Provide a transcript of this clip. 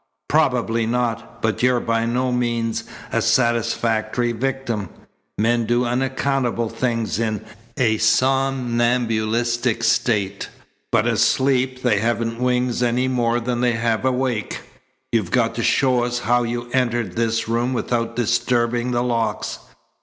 "Probably not, but you're by no means a satisfactory victim. Men do unaccountable things in a somnambulistic state, but asleep they haven't wings any more than they have awake. You've got to show us how you entered this room without disturbing the locks.